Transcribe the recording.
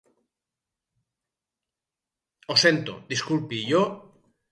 Ho sento, disculpi, jo...